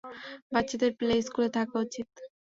বাচ্চাদের প্লে স্কুলে থাকা উচিত।